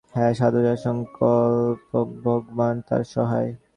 হাঁ, সাধু যার সংকল্প ভগবান তার সহায়।